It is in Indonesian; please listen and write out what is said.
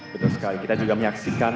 betul sekali kita juga menyaksikan